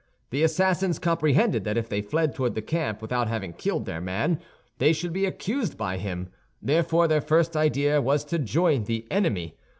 The assassins comprehended that if they fled toward the camp without having killed their man, they should be accused by him; therefore their first idea was to join the enemy.